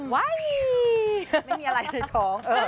ไม่มีอะไรเลยท้อง